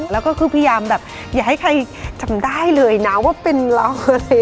แล้วก็คือพยายามแบบอย่าให้ใครจำได้เลยนะว่าเป็นเราสิ